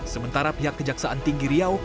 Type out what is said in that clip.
sementara pihak kejaksaan tinggi riau